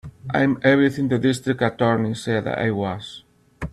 I'm everything the District Attorney said I was.